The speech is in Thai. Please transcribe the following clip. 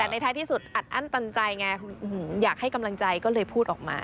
แต่ในท้ายที่สุดอัดอั้นตันใจไงอยากให้กำลังใจก็เลยพูดออกมา